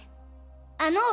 あの！